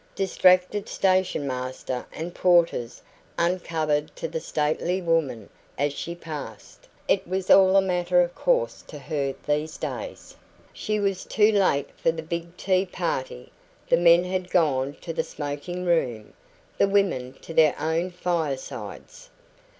Distracted stationmaster and porters uncovered to the stately woman as she passed. It was all a matter of course to her these days. She was too late for the big tea party; the men had gone to the smoking room, the women to their own firesides.